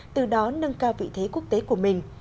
từ đó nâng cao vị thế quốc tế của mình